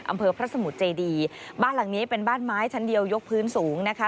อำเภอพระสมุทรเจดีบ้านหลังนี้เป็นบ้านไม้ชั้นเดียวยกพื้นสูงนะคะ